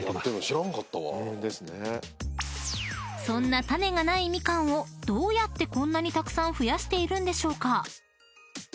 ［そんな種がないみかんをどうやってこんなにたくさん増やしているんでしょうか？］